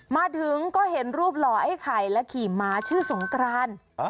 มาถึงก็เห็นรูปหล่อไอ้ไข่และขี่ม้าชื่อสงกราน